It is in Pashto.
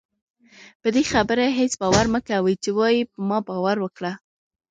پدې خبره هېڅ باور مکوئ چې وايي په ما باور وکړه